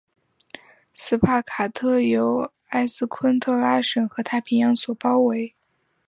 锡帕卡特由埃斯昆特拉省和太平洋所包围。